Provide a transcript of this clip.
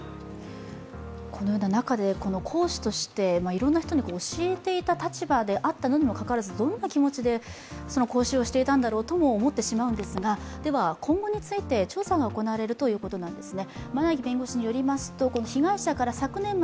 このような中で講師としていろんな人に教えていた立場でもありながらどんな気持ちで、その講習をしていたんだろうとも思いますが、では今後について調査が行われるということなんですね。